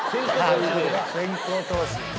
先行投資。